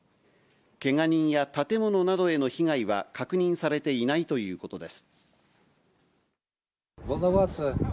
けが人や建物などへの被害は確認されていないということです。